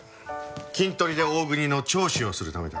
キントリで大國の聴取をするためだ。